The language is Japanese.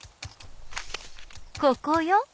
ここよ